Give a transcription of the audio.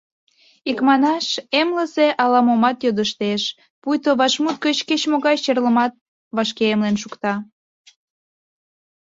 Икманаш, эмлызе ала-момат йодыштеш, пуйто вашмут гыч кеч-могай черлымат вашке эмлен шукта.